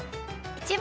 １番！？